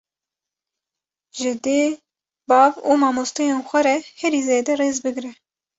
Ji dê, bav û mamosteyên xwe re herî zêde rêz bigre